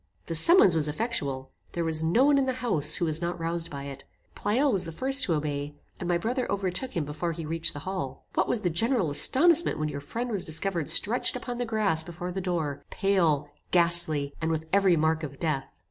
This summons was effectual. There was no one in the house who was not roused by it. Pleyel was the first to obey, and my brother overtook him before he reached the hall. What was the general astonishment when your friend was discovered stretched upon the grass before the door, pale, ghastly, and with every mark of death!